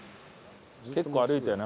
結構歩いたよね